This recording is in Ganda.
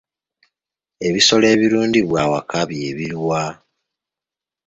Ebisolo ebirundibwa awaka bye biriwa?